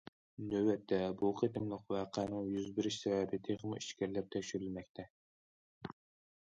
نۆۋەتتە بۇ قېتىملىق ۋەقەنىڭ يۈز بېرىش سەۋەبى تېخىمۇ ئىچكىرىلەپ تەكشۈرۈلمەكتە.